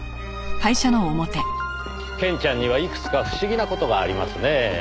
ケンちゃんにはいくつか不思議な事がありますねぇ。